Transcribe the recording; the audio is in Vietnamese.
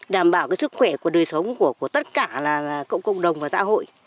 đảm bảo cái sức khỏe